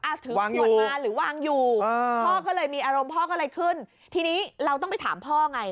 ถือขวดมาหรือวางอยู่พ่อก็เลยมีอารมณ์พ่อก็เลยขึ้นทีนี้เราต้องไปถามพ่อไง